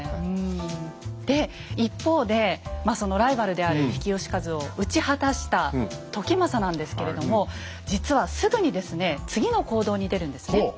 で一方でそのライバルである比企能員を討ち果たした時政なんですけれども実はすぐにですね次の行動に出るんですね。